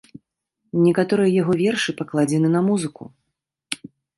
Некаторыя яго вершы пакладзены на музыку.